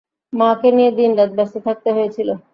মাকে নিয়ে দিনরাত ব্যস্ত থাকতে হয়েছিল।